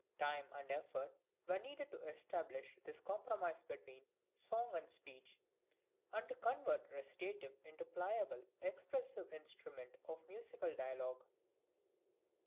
Time and effort were needed to establish this compromise between song and speech, and to convert recitative into the pliable, expressive instrument of musical dialogue.